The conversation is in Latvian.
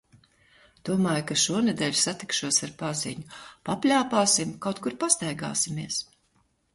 Domāju, ka šonedēļ satikšos ar paziņu. Papļāpāsim, kaut kur pastaigāsimies.